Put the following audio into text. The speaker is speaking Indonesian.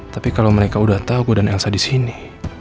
tapi kalo mereka udah tau gua dan elsa disini